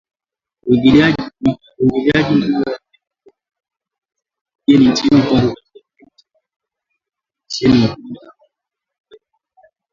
Uingiliaji mkubwa zaidi wa kigeni nchini Kongo katika kipindi cha muongo mmoja kando na operesheni ya kulinda Amani ya Umoja wa Mataifa.